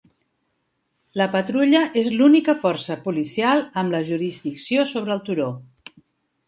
La patrulla és l'única força policial amb la jurisdicció sobre el turó.